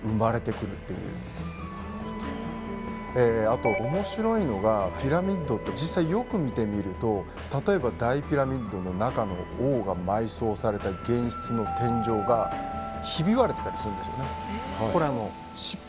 あと面白いのがピラミッドって実際よく見てみると例えば大ピラミッドの中の王が埋葬された玄室の天井がひび割れてたりするんですよね。